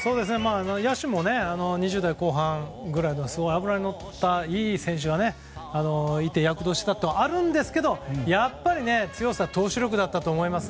野手も２０代後半ぐらいのすごい脂ののったいい選手がいて躍動していたというのはあるんですがやっぱり強さ投手力だったと思います。